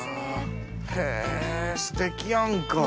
へぇすてきやんか。